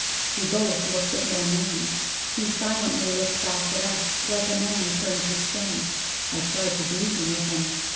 We both looked at Romayne. He silently looked back at us, like a man turned to stone. I tried to reason with him.